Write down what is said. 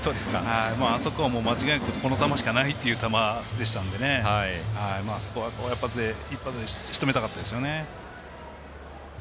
あそこは間違いなくこの球しかないっていう球でしたので、あそこは一発でしとめたかったですよね。